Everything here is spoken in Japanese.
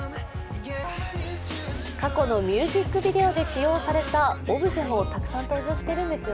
過去のミュージックビデオで使用されたオブジェもたくさん登場しているんです。